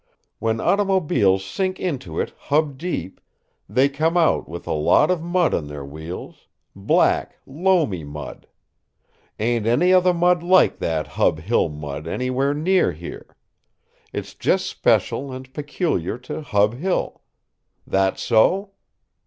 When automobiles sink into it hub deep, they come out with a lot of mud on their wheels black, loamy mud. Ain't any other mud like that Hub Hill mud anywhere near here. It's just special and peculiar to Hub Hill. That so?"